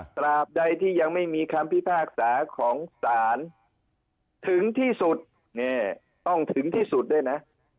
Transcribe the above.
ตราบใดที่ยังไม่มีคำพิพากษาของศาลถึงที่สุดต้องถึงที่สุดด้วยนะ